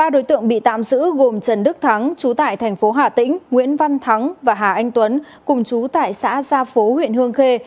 ba đối tượng bị tạm giữ gồm trần đức thắng chú tại thành phố hà tĩnh nguyễn văn thắng và hà anh tuấn cùng chú tại xã gia phú huyện hương khê